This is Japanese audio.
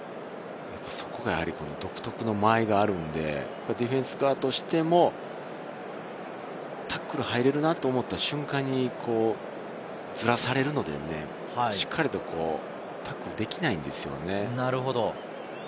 独特の間合いがあるので、ディフェンス側としてもタックル、入れるなと思った瞬間にずらされるので、しっかりとタックルできないんですよね。